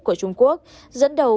của trung quốc dẫn đầu